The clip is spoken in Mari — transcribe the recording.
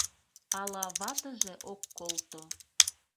— Ала ватыже ок колто?